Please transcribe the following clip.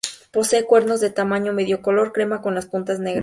Posee cuernos de tamaño medio, color crema con las puntas negras.